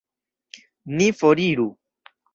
Ni foriru!